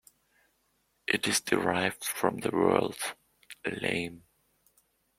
It is derived from the word "lame".